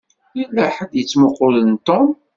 Yella ḥedd i yettmuqqulen Tom.